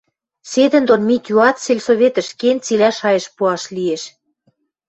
Седӹндон Митюат, сельсоветӹш кен, цилӓ шайышт пуаш лиэш.